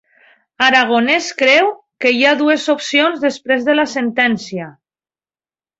Aragonès creu que hi ha dues opcions després de la sentència